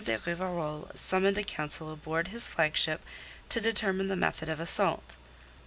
de Rivarol summoned a council aboard his flagship to determine the method of assault.